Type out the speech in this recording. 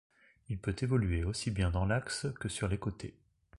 Il peut évoluer aussi bien dans l'axe que sur les côtés.